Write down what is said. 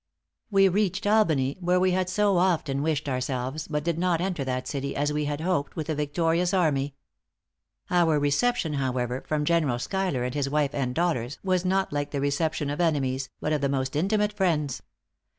"We reached Albany, where we had so often wished ourselves; but did not enter that city, as we had hoped, with a victorious army. Our reception, however, from General Schuyler, and his wife and daughters, was not like the reception of enemies, but of the most intimate friends.